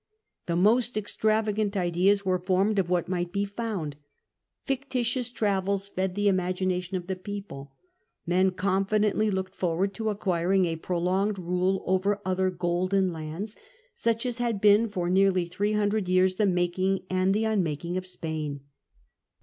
The most extravagant ideas were formed of what might be found ; fictitious travels fed the imagination of the people; men confidently looked forward to acquiring a prolonged rule over other golden lands, such as had been for nearly three hundred years the making and the unmaking of Spain.